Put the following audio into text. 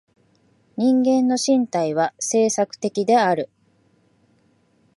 人間の身体は制作的である。